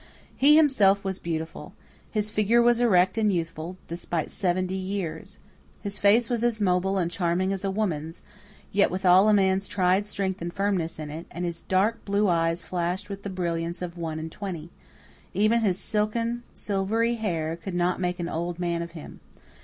He himself was beautiful. His figure was erect and youthful, despite seventy years. His face was as mobile and charming as a woman's, yet with all a man's tried strength and firmness in it, and his dark blue eyes flashed with the brilliance of one and twenty; even his silken silvery hair could not make an old man of him.